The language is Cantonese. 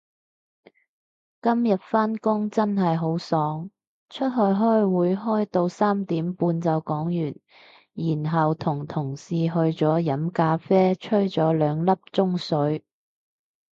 今日返工真係好爽，出去開會開到三點半就講完，然後同同事去咗飲咖啡吹咗兩粒鐘水